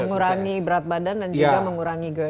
mengurangi berat badan dan juga mengurangi gerd